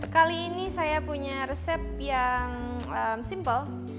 kali ini saya punya resep yang simple